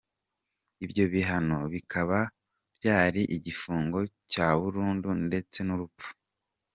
Ibyo bihano bikaba byari igifungo cya burundu ndetse nurupfu.